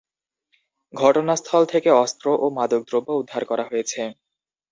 ঘটনাস্থল থেকে অস্ত্র ও মাদকদ্রব্য উদ্ধার করা হয়।